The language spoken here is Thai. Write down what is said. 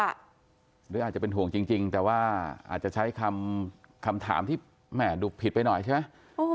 หรืออาจจะเป็นห่วงจริงแต่ว่าอาจจะใช้คำถามที่แม่ดูผิดไปหน่อยใช่ไหม